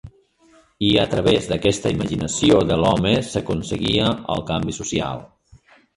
I a través d’aquesta imaginació de l’home s’aconseguia el canvi social.